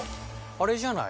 あれじゃない？